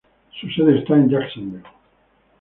Su sede está en Jacksonville.